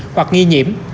hoặc nghi nhiễm